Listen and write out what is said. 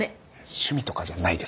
趣味とかじゃないですけど。